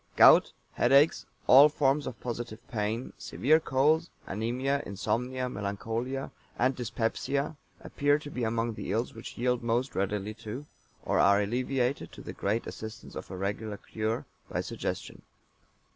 Gout, headaches, all forms of positive pain, severe colds, anæmia, insomnia, melancholia, and dyspepsia appear to be among the ills which yield most readily to, or are alleviated (to the great assistance of a regular cure), by suggestion.